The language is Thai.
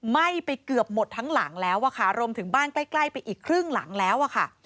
ไหม้ไปเกือบหมดทั้งหลังแล้วอะค่ะรวมถึงบ้านใกล้ไปอีกครึ่งหลังแล้วอะค่ะ